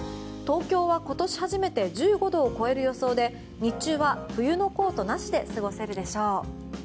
東京は今年初めて１５度を超える予想で日中は冬のコートなしで過ごせるでしょう。